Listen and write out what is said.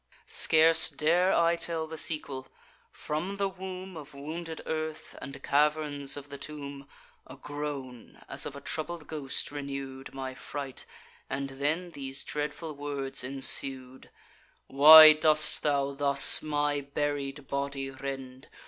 Scarce dare I tell the sequel: from the womb Of wounded earth, and caverns of the tomb, A groan, as of a troubled ghost, renew'd My fright, and then these dreadful words ensued: 'Why dost thou thus my buried body rend?